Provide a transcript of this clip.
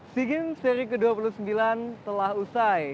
seagames seri ke dua puluh sembilan telah usai